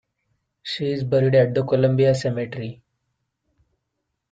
She is buried at the Columbia Cemetery.